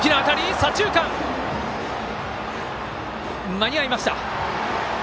間に合いました。